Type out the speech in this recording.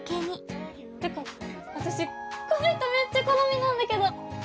てか私この人めっちゃ好みなんだけど！